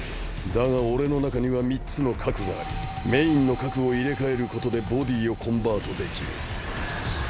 だが俺の中には３つの核がありメインの核を入れ替えることでボディーをコンバートできる。